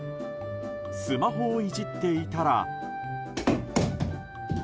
スマホをいじっていたら。